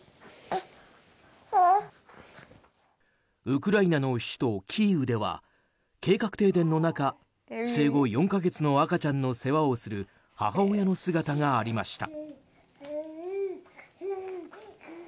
ウクライナの首都キーウでは計画停電の中生後４か月の赤ちゃんの世話をする母親の姿がありました。